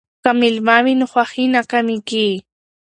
که میله وي نو خوښي نه کمېږي.